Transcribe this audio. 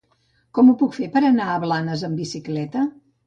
Com ho puc fer per anar a Blanes amb bicicleta?